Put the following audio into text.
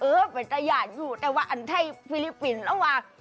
เออเป็นตะยาอยู่แต่ว่าอันไทยฟิลิปปินส์ระหว่าง